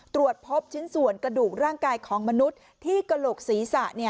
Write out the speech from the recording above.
ตรวจพบชิ้นส่วนกระดูกร่างกายของมนุษย์ที่กระโหลกศีรษะ